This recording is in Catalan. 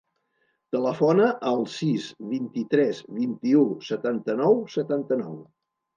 Telefona al sis, vint-i-tres, vint-i-u, setanta-nou, setanta-nou.